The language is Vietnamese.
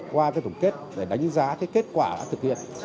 qua cái thủng kết để đánh giá cái kết quả thực hiện